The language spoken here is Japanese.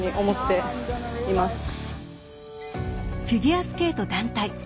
フィギュアスケート団体。